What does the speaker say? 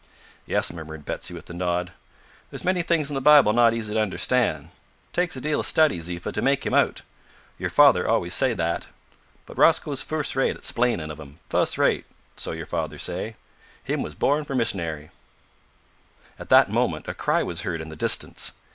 "Yes," murmured Betsy with a nod, "there's many things in the Bibil not easy to understand. Takes a deal o' study, Ziffa, to make him out. Your father always say that. But Rosco's fuss rate at 'splainin' of 'em. Fuss rate so your father say. Him was born for a mis'nary." At that moment a cry was heard in the distance.